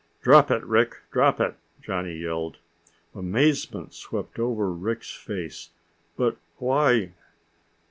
"Drop it, Rick! Drop it!" Johnny yelled. Amazement swept over Rick's face. "But why